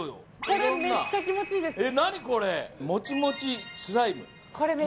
これめっちゃ気持ちいいんですよ